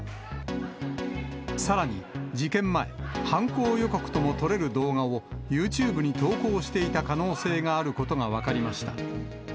さらに事件前、犯行予告とも取れる動画をユーチューブに投稿していた可能性があることが分かりました。